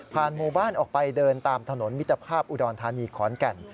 หมู่บ้านออกไปเดินตามถนนมิตรภาพอุดรธานีขอนแก่น